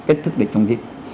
êch thức để chống dịch